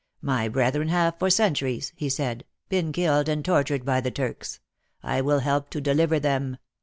"My brethren have for centuries," he said, " been killed and tortured by the Turks. I will help to deliver them.